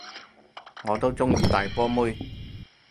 我都鍾意大波妹